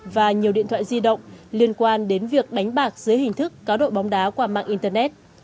và nhiều điện thoại di động liên quan đến việc đánh bạc dưới hình thức cá độ bóng đá qua mạng internet